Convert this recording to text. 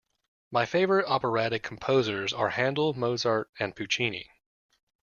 My favourite operatic composers are Handel, Mozart and Puccini